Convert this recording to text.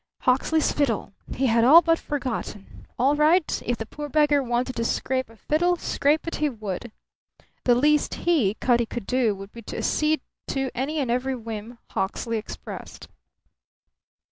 Hawksley's fiddle! He had all but forgotten. All right. If the poor beggar wanted to scrape a fiddle, scrape it he should. The least he, Cutty, could do would be to accede to any and every whim Hawksley expressed.